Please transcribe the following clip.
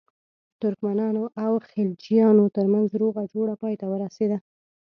ترکمنانو او خلجیانو ترمنځ روغه جوړه پای ته ورسېده.